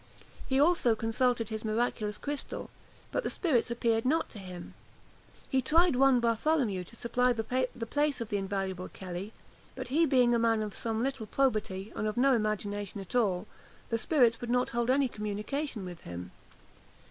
He also consulted his miraculous crystal; but the spirits appeared not to him. He tried one Bartholomew to supply the place of the invaluable Kelly; but he being a man of some little probity, and of no imagination at all, the spirits would not hold any communication with him.